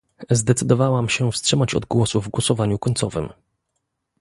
Zdecydowałam się wstrzymać od głosu w głosowaniu końcowym